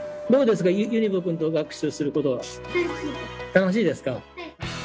楽しいですか。